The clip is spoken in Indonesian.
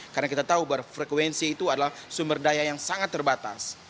karena kita tahu bahwa frekuensi itu adalah sumber daya yang sangat terbatas